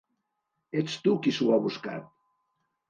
Ets tu qui s'ho ha buscat.